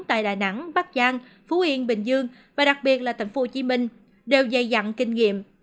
tại đà nẵng bắc giang phú yên bình dương và đặc biệt là tp hcm đều dày dặn kinh nghiệm